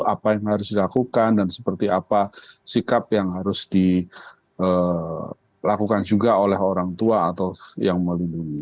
apa yang harus dilakukan dan seperti apa sikap yang harus dilakukan juga oleh orang tua atau yang melindungi